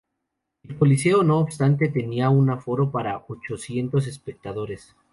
El coliseo no obstante tenía un aforo para ochocientos espectadores.